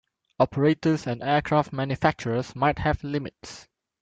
Operators and aircraft manufacturers might have limits.